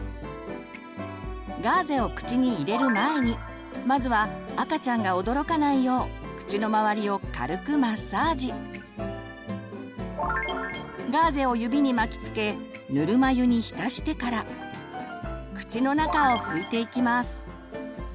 ガーゼを口に入れる前にまずは赤ちゃんが驚かないようガーゼを指に巻きつけぬるま湯に浸してから口の中を拭いていきます。